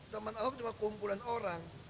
teman ahok cuma kumpulan orang